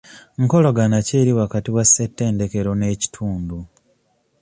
Nkolagana ki eri wakati wa ssetendekero n'ekitundu?